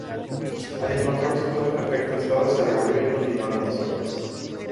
Al encontrarse todo en perfecto estado se reabrió y continuaron las obras.